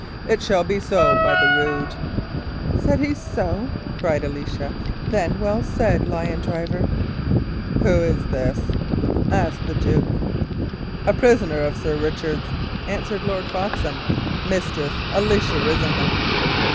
It shall be so, by the rood!" "Said he so?" cried Alicia. "Then well said, lion driver!" "Who is this?" asked the duke. "A prisoner of Sir Richard's," answered Lord Foxham; "Mistress Alicia Risingham."